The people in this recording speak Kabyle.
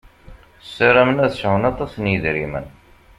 Saramen ad sɛun aṭas n yedrimen.